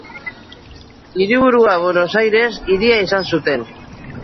Hiriburua Buenos Aires hiria izan zuten.